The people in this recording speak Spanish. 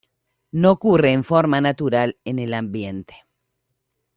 No ocurre en forma natural en el ambiente.